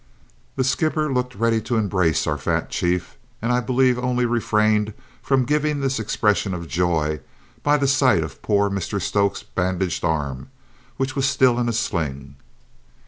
The skipper looked ready to embrace our fat chief, and I believe only refrained from giving this expression of his joy by the sight of poor Mr Stokes' bandaged arm, which was still in a sling.